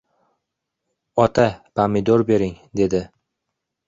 — Ota, pomidor bering! — dedi.